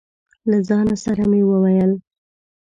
له ځانه سره مې وويل: